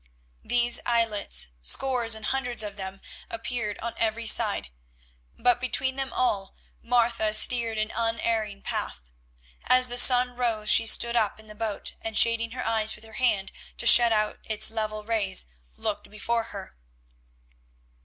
These islets, scores and hundreds of them, appeared on every side, but between them all Martha steered an unerring path. As the sun rose she stood up in the boat, and shading her eyes with her hand to shut out its level rays, looked before her.